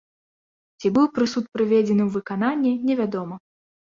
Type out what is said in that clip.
Ці быў прысуд прыведзены ў выкананне, невядома.